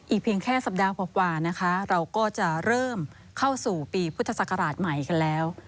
เพียงแค่สัปดาห์กว่านะคะเราก็จะเริ่มเข้าสู่ปีพุทธศักราชใหม่กันแล้ว